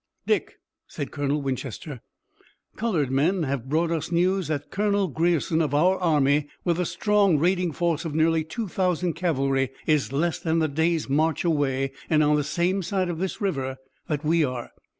"Dick," said Colonel Winchester, "colored men have brought us news that Colonel Grierson of our army, with a strong raiding force of nearly two thousand cavalry is less than a day's march away and on the same side of this river that we are.